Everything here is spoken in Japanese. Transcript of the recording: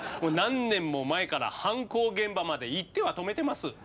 何年も前から犯行現場まで行っては止めてます。